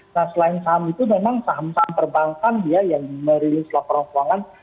nah selain saham itu memang saham saham perbankan dia yang merilis laporan keuangan